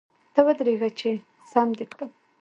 ته ودرېږه چي ! سم دي کړم .